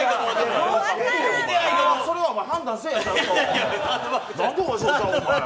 それを判断せえや、ちゃんと。